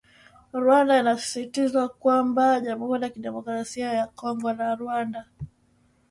Rwanda inasisitizwa kwamba jamhuri ya kidemokrasia ya Kongo na Rwanda